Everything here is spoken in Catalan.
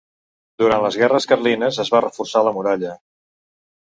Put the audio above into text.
Durant les guerres carlines es va reforçar la muralla.